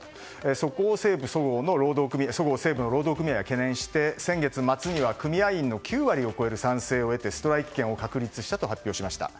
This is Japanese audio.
そこをそごう・西武の労働組合は懸念して先月末には組合員の９割を超える賛成を得てストライキ権を確立したと発表しました。